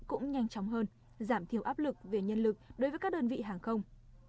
cũng nhanh chóng hơn giảm thiểu áp lực về nhân lực đối với các đơn vị hàng không